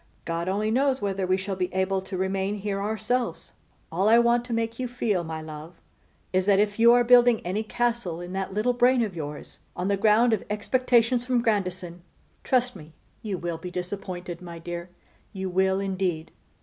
God only knows whether we shall be able to remain here ourselves. All I want to make you feel, my love, is, that if you are building any castle in that little brain of yours on the ground of expectations from Grandison, trust me you will be disappointed, my dear, you will, indeed.